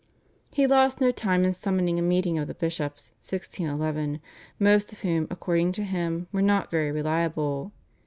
" He lost no time in summoning a meeting of the bishops (1611), most of whom, according to him, were not very reliable.